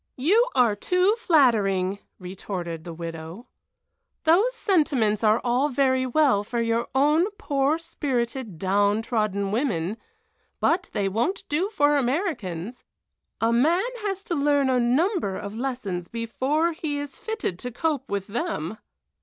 "You are too flattering!" retorted the widow. "Those sentiments are all very well for your own poor spirited, down trodden women, but they won't do for Americans! A man has to learn a number of lessons before he is fitted to cope with them."